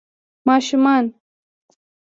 ماشومان